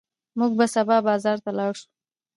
موږ به سبا بازار ته لاړ شو.